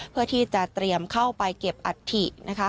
เพื่อที่จะเตรียมเข้าไปเก็บอัฐินะคะ